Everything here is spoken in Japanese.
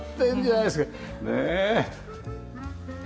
ねえ。